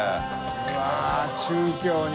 うわっ中京に。